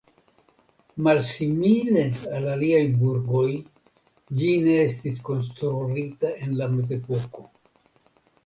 Malsimile al aliaj burgoj ĝi ne estis konstruita en la mezepoko.